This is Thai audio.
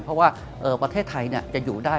เพราะว่าประเทศไทยจะอยู่ได้